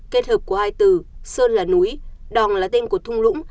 kết hợp của hai từ sơn là núi đòn là tên của thung lũng